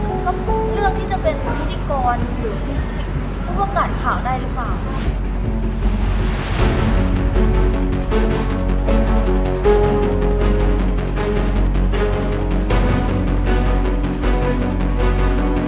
คุณก็เลือกที่จะเป็นพิธีกรหรือผู้ประกาศข่าวได้หรือเปล่า